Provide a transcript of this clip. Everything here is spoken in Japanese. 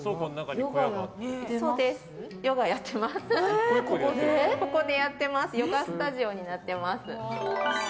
ヨガスタジオになっています。